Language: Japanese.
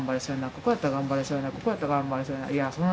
ここやったら頑張れそうやな。